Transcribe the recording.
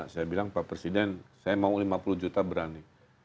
saya bilang pak presiden saya mau lima puluh juta berani